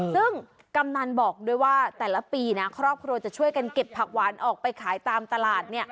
ซึ่งกำนันบอกด้วยว่าแต่ละปีนะครอบครัวจะช่วยกันเก็บผักหวานออกไปขายตามตลาด